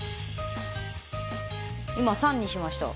今３にしました。